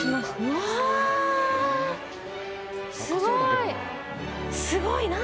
すごい。